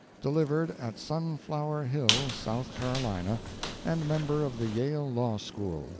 delivered at Sunflower Hill, South Carolina, and member of the Yale Law School.